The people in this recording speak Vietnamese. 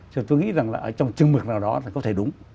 thì tôi nghĩ rằng là ở trong chừng mực nào đó thì có thể đúng